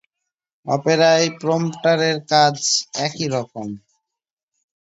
অপেরায় প্রম্পটারের কাজ একই রকম।